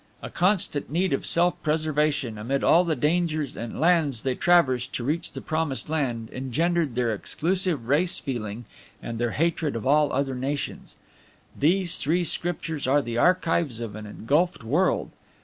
A constant need of self preservation amid all the dangers and the lands they traversed to reach the Promised Land engendered their exclusive race feeling and their hatred of all other nations. "These three Scriptures are the archives of an engulfed world.